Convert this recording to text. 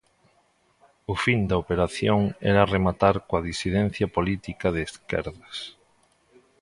O fin da operación era rematar coa disidencia política de esquerdas.